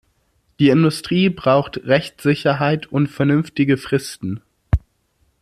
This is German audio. Die Industrie braucht Rechtssicherheit und vernünftige Fristen.